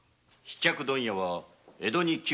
飛脚問屋は江戸に９軒